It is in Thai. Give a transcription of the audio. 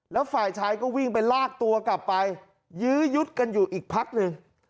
แล้วฝ่ายชายก็วิ่งไปลากตัวกลับไปยื้อยุดกันอยู่อีกพักหนึ่ง